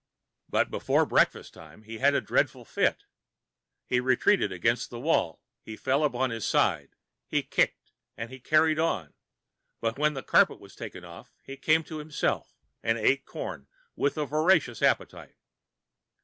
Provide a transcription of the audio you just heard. But before breakfast time he had a dreadful fit. He retreated against the wall, he fell upon his side, he kicked, and he "carried on"; but when the carpet was taken off he came to himself, and ate corn with a voracious appetite.